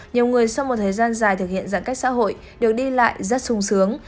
nhiều người sau một thời gian dài thực hiện giãn cách xã hội được đi lại rất sung sướng